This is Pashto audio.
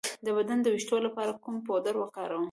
د بدن د ویښتو لپاره کوم پوډر وکاروم؟